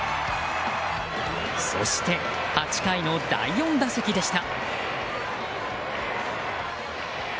そして、８回の第４打席でした。